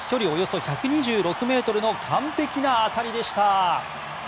およそ１２６ｍの完璧な当たりでした！